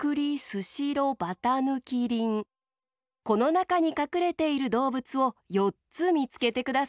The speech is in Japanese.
このなかにかくれているどうぶつをよっつみつけてください。